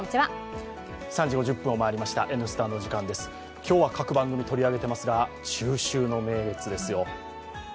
今日は各番組取り上げていますが中秋の名月ですよ。